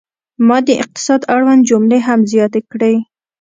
ما د اقتصاد اړوند جملې هم زیاتې کړې.